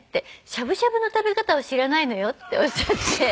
「しゃぶしゃぶの食べ方を知らないのよ」っておっしゃって。